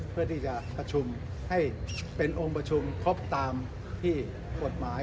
เพื่อที่จะประชุมให้เป็นองค์ประชุมครบตามที่กฎหมาย